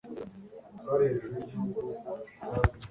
George Odhiambo